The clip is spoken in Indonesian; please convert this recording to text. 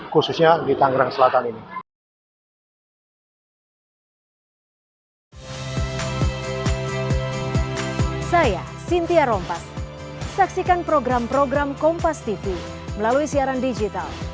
khususnya di tangerang selatan ini